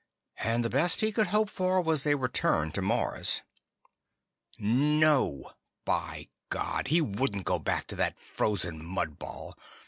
And the best he could hope for was a return to Mars. No, by God! He wouldn't go back to that frozen mud ball!